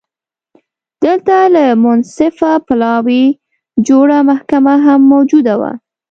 دلته له منصفه پلاوي جوړه محکمه هم موجوده وه